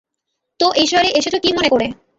তো এই শহরে এসেছ কী মনে করে?